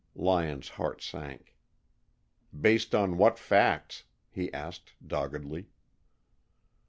Lyon's heart sank. "Based on what facts?" he asked, doggedly.